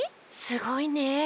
すごいね。